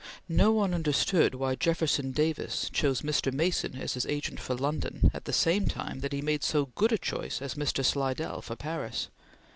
No one understood why Jefferson Davis chose Mr. Mason as his agent for London at the same time that he made so good a choice as Mr. Slidell for Paris.